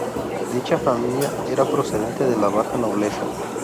Dicha familia era procedente de la baja nobleza.